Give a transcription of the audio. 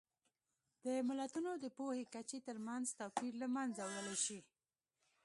د ملتونو د پوهې کچې ترمنځ توپیر له منځه وړلی شي.